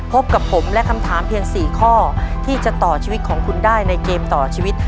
พบกับผมและคำถามเพียง๔ข้อที่จะต่อชีวิตของคุณได้ในเกมต่อชีวิต